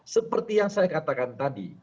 seperti yang saya katakan tadi